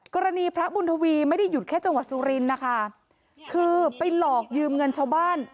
พระบุญทวีไม่ได้หยุดแค่จังหวัดสุรินทร์นะคะคือไปหลอกยืมเงินชาวบ้าน